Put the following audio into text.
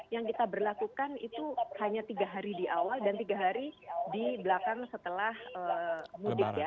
yang kita berlakukan itu hanya tiga hari di awal dan tiga hari di belakang setelah mudik ya